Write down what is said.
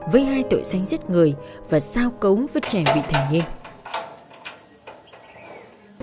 với hai tội sinh giết người và sao cấu với trẻ bị thầm nghi